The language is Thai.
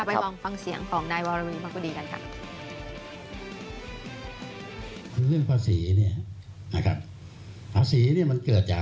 ต่อไปฟังเสียงของนายโวรวีบ้างก็ดีกันครับ